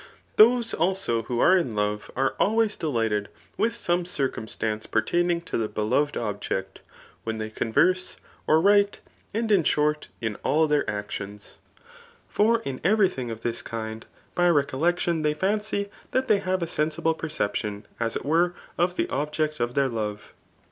Those also who are in love, ase always delighted widi some drcuinstance pertaming to the rbelored pbjMb when they converse, or write, and in short, . in ^aU th^ actimis. For in every, thing cf diis kind^ by recoUestiim Ihey £tncy diat they have a^sehsibl^ perception as it ware <if the obJKt of their love.